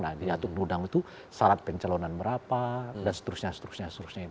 nah diatur diundang itu syarat pencalonan berapa dan seterusnya seterusnya seterusnya itu